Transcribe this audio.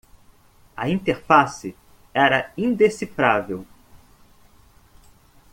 A interface era indecifrável.